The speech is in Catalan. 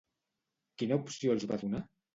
Quina opció els va donar?